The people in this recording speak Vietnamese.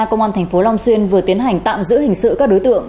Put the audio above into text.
công an thành phố long xuyên vừa tiến hành tạm giữ hình sự các đối tượng